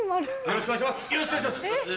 よろしくお願いします！